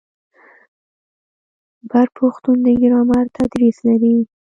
بر پښتون د ګرامر تدریس لري.